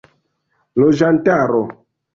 loĝantaro